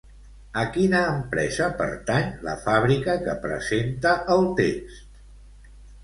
A quina empresa pertany la fàbrica que presenta el text?